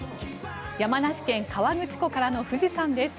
山梨県・河口湖からの富士山です。